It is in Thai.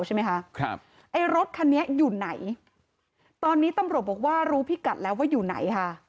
ใช่ไหมคะครับไอ้รถคันนี้อยู่ไหนตอนนี้ตำรวจบอกว่ารู้พิกัดแล้วว่าอยู่ไหนค่ะ